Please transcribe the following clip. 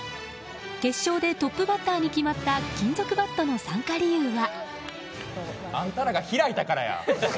決勝でトップバッターに決まった金属バットの参加理由は。